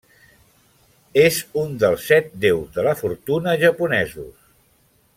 És un dels Set Déus de la Fortuna japonesos.